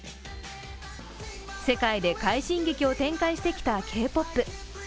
世界で快進撃を展開してきたＫ−ＰＯＰ